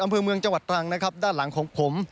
อำเภอเมืองจังหวัดตรังนะครับด้านหลังของผม